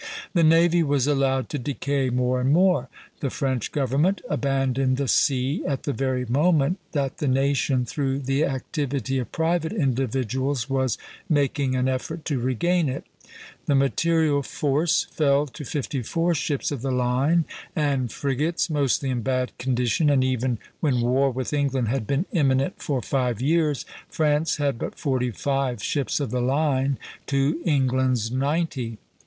The navy was allowed to decay more and more. "The French government abandoned the sea at the very moment that the nation, through the activity of private individuals, was making an effort to regain it." The material force fell to fifty four ships of the line and frigates, mostly in bad condition; and even when war with England had been imminent for five years, France had but forty five ships of the line to England's ninety.